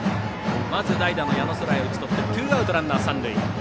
まずは代打の矢野壮頼を打ち取ってツーアウトランナー、三塁。